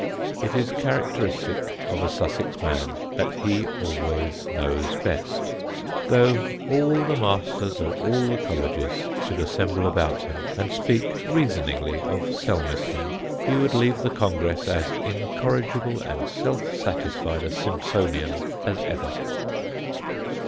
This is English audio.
It is characteristic of a Sussex man that he always knows best; though all the masters of all the colleges should assemble about him and speak reasoningly of Selmeston he would leave the congress as incorrigible and self satisfied a Simsonian as ever.